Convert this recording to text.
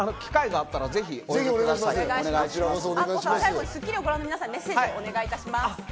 アッコさん、最後に『スッキリ』をご覧の皆さんにメッセージをお願いします。